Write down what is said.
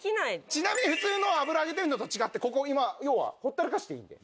ちなみに普通の油で揚げてるのと違って要はほったらかしていいんで。